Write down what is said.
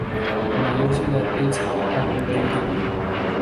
La mayor ciudad es Akureyri.